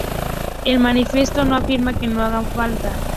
El manifiesto no afirma que no hagan falta.